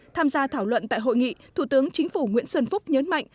tham gia thảo luận tại hội nghị thủ tướng chính phủ nguyễn xuân phúc nhấn mạnh